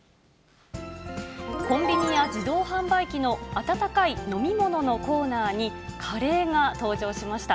コンビニや自動販売機の温かい飲み物のコーナーに、カレーが登場しました。